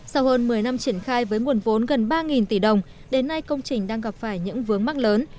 sau hơn một mươi năm triển khai với nguồn vốn gần ba tỷ đồng đến nay công trình đang gặp phải những vướng mắt lớn